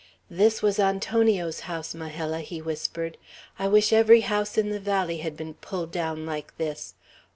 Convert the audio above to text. "This was Antonio's house, Majella," he whispered. "I wish every house in the valley had been pulled down like this.